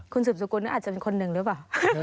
คุณสืบสกุลอาจจะเป็นคนหนึ่งหรือเปล่า